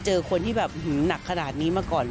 เจอคนที่แบบหนักขนาดนี้มาก่อน